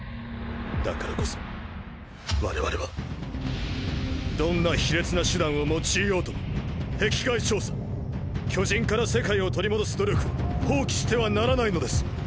だからこそ我々はどんな卑劣な手段を用いようとも壁外調査を巨人から世界を取り戻す努力を放棄してはならないのです！